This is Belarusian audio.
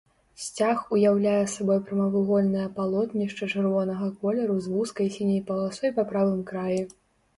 Сцяг уяўляе сабой прамавугольнае палотнішча чырвонага колеру з вузкай сіняй паласой па правым краі.